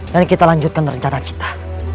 dan kita lanjutkan rencana kita